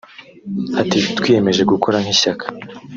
Ati “Twiyemeje gukora nk’ishyaka